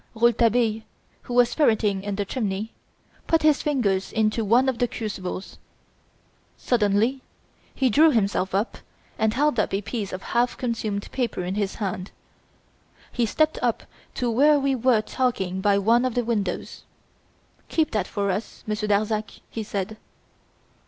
Rouletabille, who was ferreting in the chimney, put his fingers into one of the crucibles. Suddenly he drew himself up, and held up a piece of half consumed paper in his hand. He stepped up to where we were talking by one of the windows. "Keep that for us, Monsieur Darzac," he said.